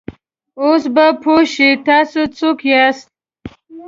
اوس به پوه شې، تاسې څوک یاست؟